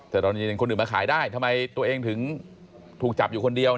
แต่ตอนนี้เห็นคนอื่นมาขายได้ทำไมตัวเองถึงถูกจับอยู่คนเดียว